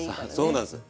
そうなんです。